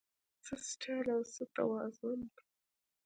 څه سټایل او څه توازن